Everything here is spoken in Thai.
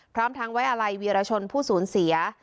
พร้อมทั้งไว้อะไรวีรชนผู้สูญเสีย